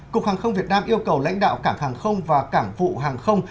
cục hàng không việt nam yêu cầu lãnh đạo cảng hàng không và cảng vụ hàng không